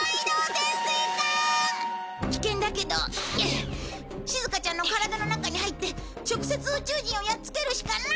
危険だけどしずかちゃんの体の中に入って直接宇宙人をやっつけるしかない！